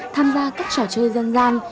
tham gia các trò chơi dân gian